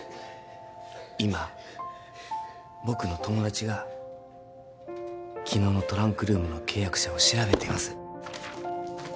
今僕の友達が昨日のトランクルームの契約者を調べています